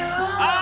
⁉あ！